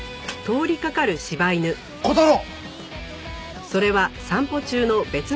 小太郎！